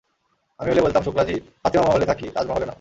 আমি হইলে বলতাম, শুক্লা জী, ফাতিমা মহলে থাকি, তাজ মহলে না।